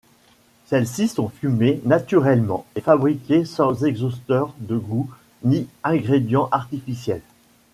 Celles-ci sont fumées naturellement et fabriquées sans exhausteurs de goût ni ingrédients artificiels.